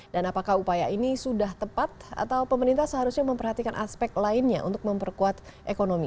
dan apakah upaya ini sudah tepat atau pemerintah seharusnya memperhatikan aspek lainnya untuk memperkuat ekonomi